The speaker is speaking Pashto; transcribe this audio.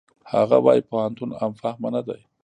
هغه وايي پوهنتون عام فهمه نه ده.